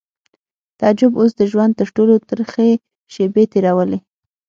تعجب اوس د ژوند تر ټولو ترخې شېبې تېرولې